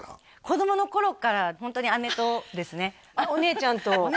子供の頃からホントに姉とですねお姉ちゃんと？